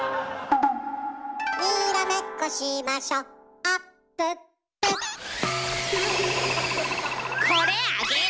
「にらめっこしましょあっぷっぷ」これあげる。